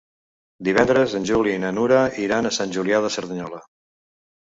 Divendres en Juli i na Nura iran a Sant Julià de Cerdanyola.